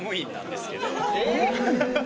えっ！